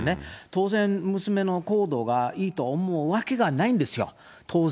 当然、娘の行動がいいと思うわけがないんですよ、当然。